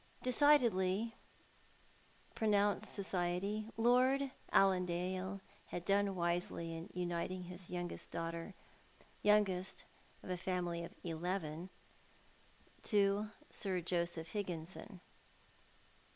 Decidedly, pronounced society. Lord Allandale had done wisely in uniting his youngest daughter— youngest of a family of eleven — to Sir Joseph Higginson.